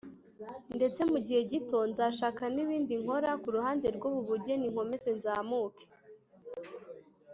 ndetse mu gihe gito nzashaka n’ibindi nkora ku ruhande rw’ubu bugeni nkomeze nzamuke